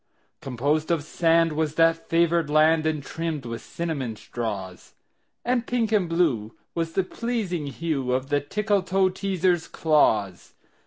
Composed of sand was that favored land, And trimmed with cinnamon straws; And pink and blue was the pleasing hue Of the Tickletoeteaser's claws.